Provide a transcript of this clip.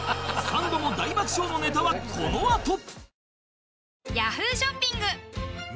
サンドも大爆笑のネタはこのあと